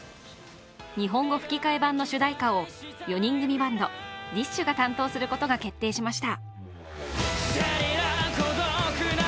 日本語吹き替え版の主題歌を４人組バンドＤＩＳＨ／／が担当することが決定しました。